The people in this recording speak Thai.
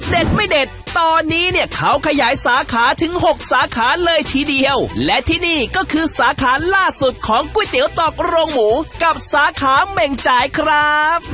ไม่เด็ดตอนนี้เนี่ยเขาขยายสาขาถึงหกสาขาเลยทีเดียวและที่นี่ก็คือสาขาล่าสุดของก๋วยเตี๋ยวตอกโรงหมูกับสาขาเหม่งจ่ายครับ